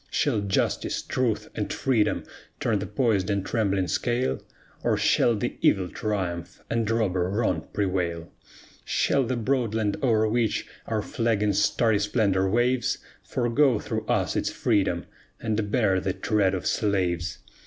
Shall Justice, Truth, and Freedom turn the poised and trembling scale? Or shall the Evil triumph, and robber Wrong prevail? Shall the broad land o'er which our flag in starry splendor waves, Forego through us its freedom, and bear the tread of slaves?